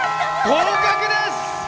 合格です！